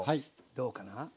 どうかな？